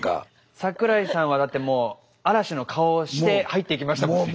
櫻井さんはだってもう嵐の顔をして入っていきましたもんね。